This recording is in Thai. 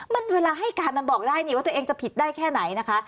มันเวลาให้การมันบอกได้นี่ว่าตัวเองจะผิดได้แค่ไหนนะคะ